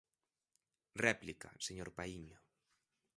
Réplica, señor Paíño.